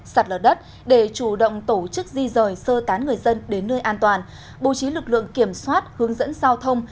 sạt lở đất để chủ động tổ chức di rời sơ tán người dân đến nơi an toàn bố trí lực lượng kiểm soát hướng dẫn giao thông